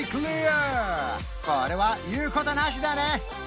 これは言うことなしだね